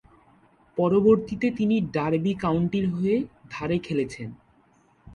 পরবর্তীতে তিনি ডার্বি কাউন্টির হয়ে ধারে খেলেছেন।